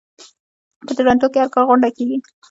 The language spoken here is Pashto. په تورنټو کې هر کال غونډه کیږي.